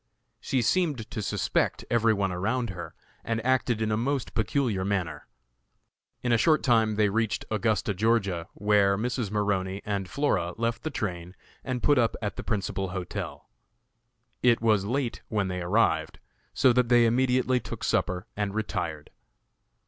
She seemed to suspect every one around her, and acted in a most peculiar manner. In a short time they reached Augusta, Ga., where Mrs. Maroney and Flora left the train and put up at the principal hotel. It was late when they arrived, so that they immediately took supper and retired.